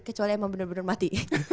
kecuali emang bener bener mati